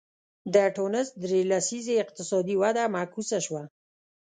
د ټونس درې لسیزې اقتصادي وده معکوسه شوه.